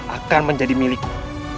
akan menjadi milikmu